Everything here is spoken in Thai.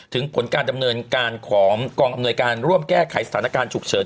ถึงผลการดำเนินการของกองอำนวยการร่วมแก้ไขสถานการณ์ฉุกเฉิน